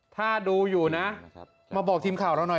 ถ้าดูอยู่นะมาบอกทีมข่าวเราหน่อย